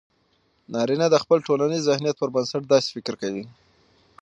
نارينه د خپل ټولنيز ذهنيت پر بنسټ داسې فکر کوي